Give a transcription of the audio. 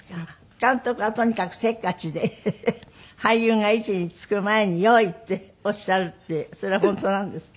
監督はとにかくせっかちで俳優が位置につく前に「用意」っておっしゃるってそれは本当なんですか？